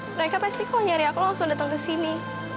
mereka pasti kok nyari aku langsung datang ke sini